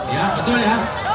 ya betul ya